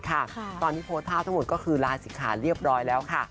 ตอนที่โพสต์ภาพทั้งหมดก็คือลาศิกขาเรียบร้อยแล้วค่ะ